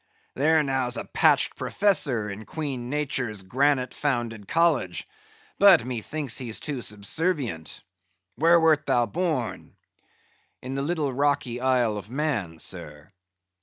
There now's a patched professor in Queen Nature's granite founded College; but methinks he's too subservient. Where wert thou born?" "In the little rocky Isle of Man, sir."